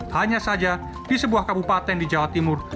hanya saja di sebuah kabupaten di jawa timur